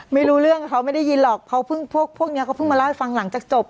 ไม่รู้เรื่องเขาไม่ได้ยินหรอกเขาเพิ่งพวกนี้เขาเพิ่งมาเล่าให้ฟังหลังจากจบ